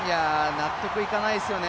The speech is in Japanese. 納得いかないですよね